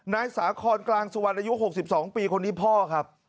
นายสาคอนกลางสุวรรณอายุ๖๒ปีคนนี้พ่อครับ